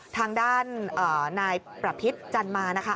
ทางด้านนายประพิษจันมานะคะ